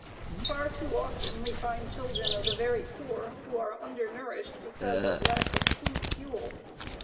Far too often we find children of the very poor who are undernourished because of lack of food fuel.